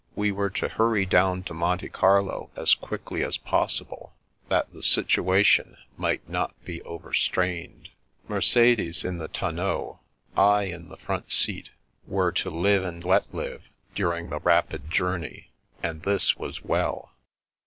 We were to hurry down to Monte Carlo as quickly as possible, that the situation might not be overstrained. Mer cedes in the tonneau, I in the front seat, were to live and let live during the rapid journey, and this was well.